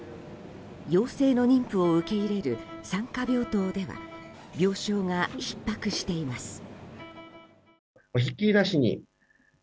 陽性の妊婦を受け入れる産科病棟では病床がひっ迫しています。